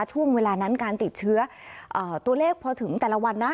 ช่วงเวลานั้นการติดเชื้อตัวเลขพอถึงแต่ละวันนะ